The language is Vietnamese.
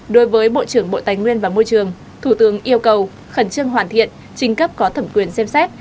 đối với bộ trưởng bộ tài nguyên và môi trường thủ tướng yêu cầu khẩn trương hoàn thiện trình cấp có thẩm quyền xem xét